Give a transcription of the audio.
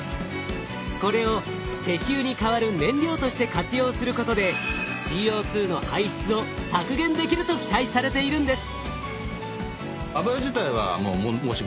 これを石油に代わる燃料として活用することでＣＯの排出を削減できると期待されているんです。